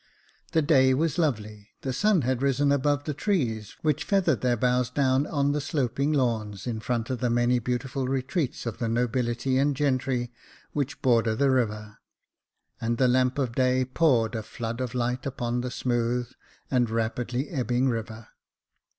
The day was lovely, the sun had risen above the trees, which feathered their boughs down on the sloping lawns in front of the many beautiful retreats of the nobility and gentry which Jacob Faithful ^^ border the river ; and the lamp of day poured a flood of light upon the smooth and rapidly ebbing river.